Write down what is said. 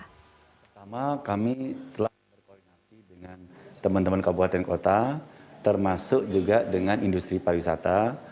pertama kami telah berkoordinasi dengan teman teman kabupaten kota termasuk juga dengan industri pariwisata